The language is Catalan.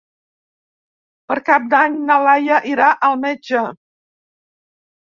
Per Cap d'Any na Laia irà al metge.